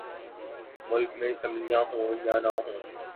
ملک میں اسمبلیاں ہوں یا نہ ہوں۔